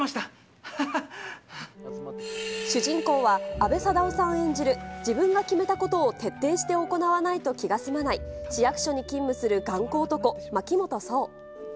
主人公は阿部サダヲさん演じる、自分が決めたことを徹底して行わないと気が済まない、市役所に勤務する頑固男、牧本壮。